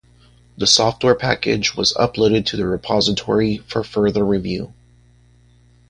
The software package was uploaded to the repository for further review.